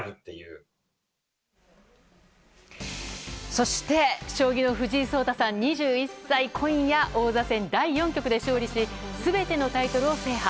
そして将棋の藤井聡太さん、２１歳今夜、王座戦第４局で勝利し全てのタイトルを制覇。